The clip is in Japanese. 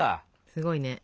すごいね。